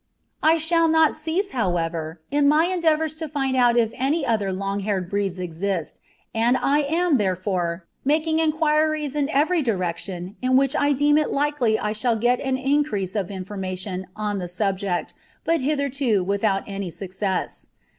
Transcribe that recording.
I shall not cease, however, in my endeavours to find out if any other long haired breeds exist, and I am, therefore, making inquiries in every direction in which I deem it likely I shall get an increase of information on the subject, but hitherto without any success.